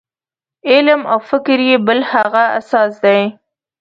علم او فکر یې بل هغه اساس دی.